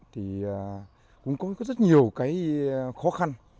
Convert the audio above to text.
thì cũng có rất nhiều cái khó khăn